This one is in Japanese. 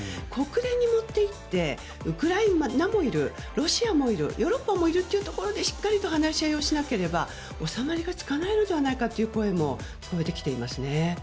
国連に持っていってウクライナもいるロシアもいるヨーロッパもいるというところでしっかり話し合いをしなければ収まりがつかないのではないかという声も聞こえてきています。